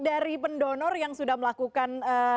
dari pendonor yang sudah melakukan